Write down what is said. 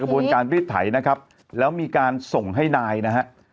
กระโบนการวิธัยนะครับแล้วมีการส่งให้นายนะฮะ